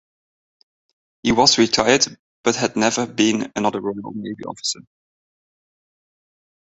He was retired but had been another Royal Navy officer.